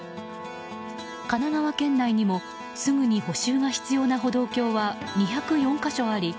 神奈川県内にもすぐに補修が必要な歩道橋は２０４か所あり